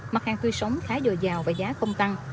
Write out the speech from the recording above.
mặt hàng tươi sống khá dồi dào và giá không tăng